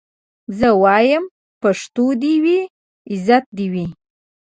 زه وايم پښتو دي وي عزت دي وي